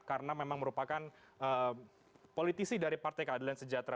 karena memang merupakan politisi dari partai keadilan sejahtera